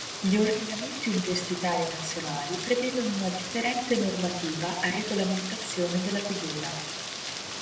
Gli ordinamenti universitari nazionali prevedono una differente normativa a regolamentazione della figura.